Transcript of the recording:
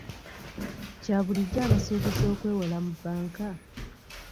Kya bulijjo abasuubuuzi okwewola mu banka?